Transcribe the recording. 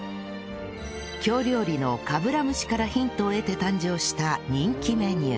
京料理の「かぶら蒸し」からヒントを得て誕生した人気メニュー